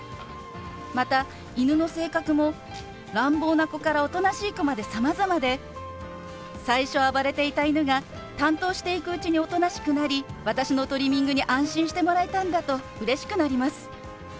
また犬の性格も乱暴な子からおとなしい子までさまざまで最初暴れていた犬が担当していくうちにおとなしくなり私のトリミングに安心してもらえたんだとうれしくなります。